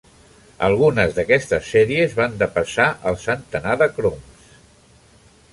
Algunes d'aquestes sèries van depassar el centenar de croms.